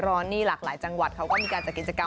นี่หลากหลายจังหวัดเขาก็มีการจัดกิจกรรม